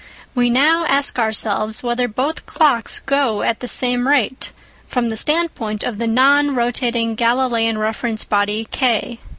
We now ask ourselves whether both clocks go at the same rate from the standpoint of the non rotating Galileian reference body K.